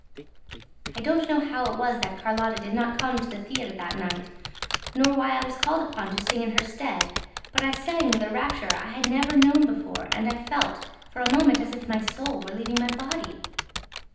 I don't know how it was that Carlotta did not come to the theater that night nor why I was called upon to sing in her stead; but I sang with a rapture I had never known before and I felt for a moment as if my soul were leaving my body!"